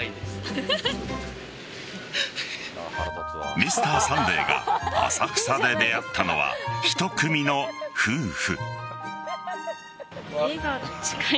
「Ｍｒ．サンデー」が浅草で出会ったのは１組の夫婦。